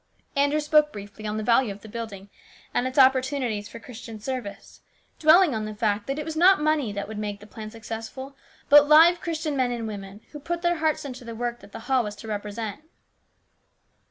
Andrew spoke briefly on the value of the building and its opportunities for Christian service, dwelling on the fact that it was not money that would make the plan successful, but live Christian men and women, who put their hearts into the work that the hall was to represent.